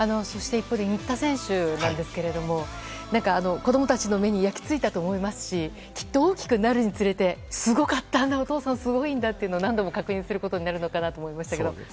そして一方で新田選手ですけど子供たちの目に焼き付いたと思いますしきっと大きくなるにつれてすごかったんだ、お父さんはすごいんだと何度も確認することになるのかと思いましたけど。